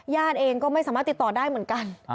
เองก็ไม่สามารถติดต่อได้เหมือนกัน